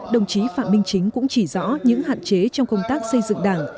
đồng chí phạm minh chính cũng chỉ rõ những hạn chế trong công tác xây dựng đảng